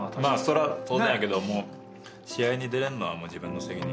それは当然やけども試合に出れんのは自分の責任。